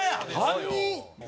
犯人！